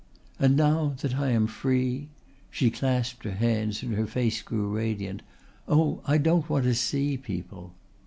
And now that I am free" she clasped her hands and her face grew radiant "oh, I don't want to see people."